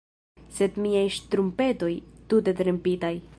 Sed miaj ŝtrumpetoj, tute trempitaj